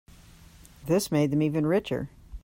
This made them even richer.